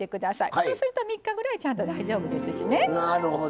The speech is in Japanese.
そうすると３日ぐらい大丈夫ですしね。